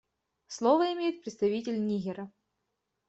Слово имеет представитель Нигера.